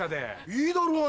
いいだろうが！